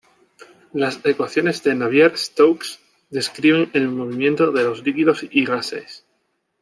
Las ecuaciones de Navier-Stokes describen el movimiento de los líquidos y gases.